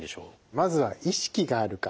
まずは意識があるか。